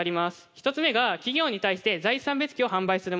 １つ目が企業に対して材質判別機を販売するものです。